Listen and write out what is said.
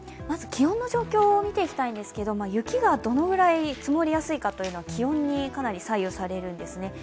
まず気温の状況を見ていきたいんですが雪がどのくらい積もりやすいのかはかなり気温に影響されるんですね。